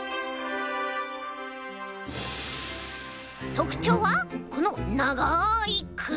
とくちょうはこのながいくび！